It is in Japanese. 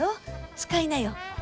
使いなよ。